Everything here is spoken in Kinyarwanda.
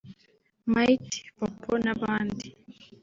Mighty Popo n’abandi